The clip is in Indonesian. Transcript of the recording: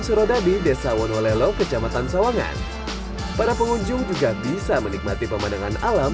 surodadi desa wonolelo kecamatan sawangan para pengunjung juga bisa menikmati pemandangan alam